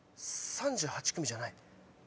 ３８組じゃない。